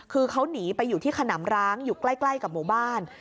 คือเขาหนีไปอยู่ที่ขนำร้างอยู่ใกล้กับหมู่บ้าน